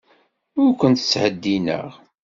Ur kent-ttheddineɣ.